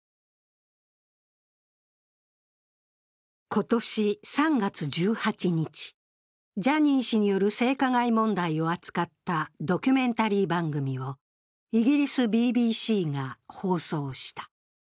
今年３月１８日、ジャニー氏による性加害問題を扱ったドキュメンタリー番組をイギリスＢＢＣが放送した。